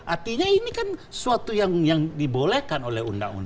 artinya ini kan suatu yang dibolehkan oleh undang undang